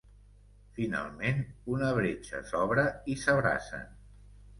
Finalment, una bretxa s'obre i s'abracen.